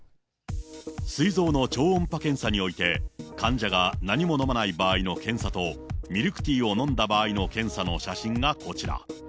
すい臓の超音波検査において、患者が何も飲まない場合の検査と、ミルクティーを飲んだ場合の検査の写真がこちら。